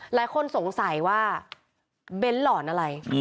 หลายคนสงสัยว่าเบ้นหลอนอะไร